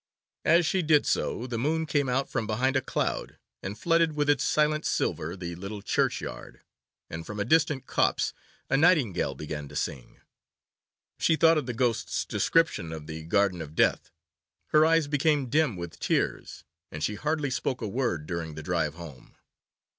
As she did so, the moon came out from behind a cloud, and flooded with its silent silver the little churchyard, and from a distant copse a nightingale began to sing. She thought of the ghost's description of the Garden of Death, her eyes became dim with tears, and she hardly spoke a word during the drive home.